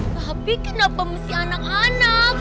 tapi kenapa mesti anak anak